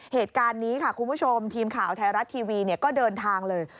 เหตุการณ์นี้ค่ะคุณผู้ชมทีมข่าวไทยรัฐทีวีก็เดินทางเลย